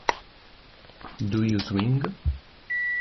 Do You Swing?